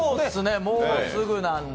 もうすぐなので。